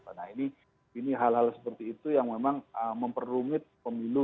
nah ini hal hal seperti itu yang memang memperrumit pemilu dua ribu dua puluh empat